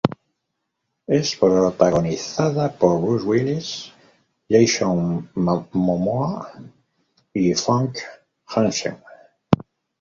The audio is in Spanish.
Es protagonizada por Bruce Willis, Jason Momoa y Famke Janssen.